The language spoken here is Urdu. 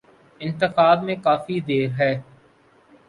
انتخابات میں کافی دیر ہے۔